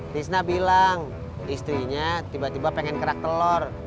trisna bilang istrinya tiba tiba pengen kerak telur